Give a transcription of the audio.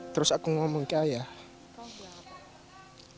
terus aku ngomong ke ayah